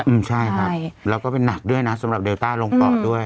อืมใช่ครับแล้วก็เป็นหนักด้วยนะสำหรับเดลต้าลงเกาะด้วย